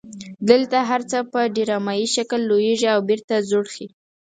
دلته هر څه په ډرامایي شکل لوړیږي او بیرته ځوړ خي.